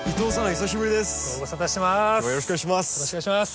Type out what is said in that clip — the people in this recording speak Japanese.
よろしくお願いします。